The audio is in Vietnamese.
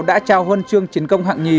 đã trao huân chương chiến công hạng nhì